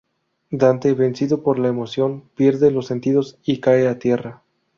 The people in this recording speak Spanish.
Dante, vencido por la emoción, pierde los sentidos y cae a tierra.